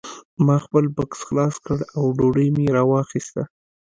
ما خپل بکس خلاص کړ او ډوډۍ مې راواخیسته